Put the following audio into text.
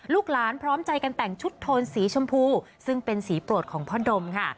ลูกหลานพร้อมใจกันแต่งชุดโทนสีชมพูซึ่งเป็นสีโปรดของพ่อดมค่ะ